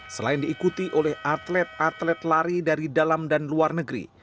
selain diikuti oleh atlet atlet lari dari dalam dan luar negeri